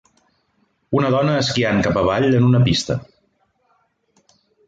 Una dona esquiant cap avall en una pista.